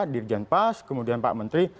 dirjen pas kemudian pak menteri